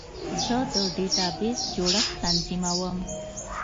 زه د ډیټابیس جوړښت تنظیموم.